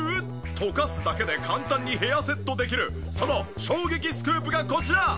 とかすだけで簡単にヘアセットできるその衝撃スクープがこちら。